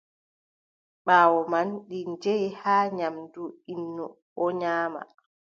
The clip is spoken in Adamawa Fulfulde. Ɓaawo man, ɗi njehi haa nyaamdu innu, o nyawan.